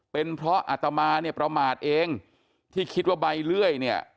เป็นเพราะอัตมาเนี่ยประมาทเองที่คิดว่าใบเลื่อยเนี่ย